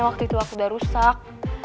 waktu itu aku udah rusak